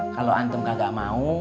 kalau antum kagak mau